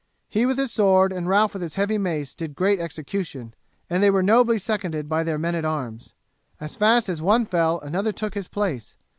He with his sword and Ralph with his heavy mace did great execution, and they were nobly seconded by their men at arms. As fast as one fell another took his place.